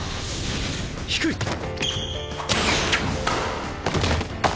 低い！